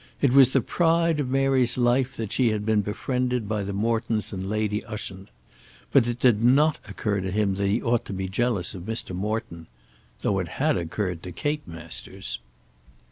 It was the pride of Mary's life that she had been befriended by the Mortons and Lady Ushant. But it did not occur to him that he ought to be jealous of Mr. Morton, though it had occurred to Kate Masters.